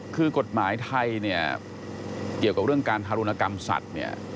คือกฎหมายไทยเกี่ยวกับเรื่องการธรรมกรรมสัตว์